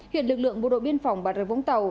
hiện lực lượng bộ đội biên phòng bà rê vũng tàu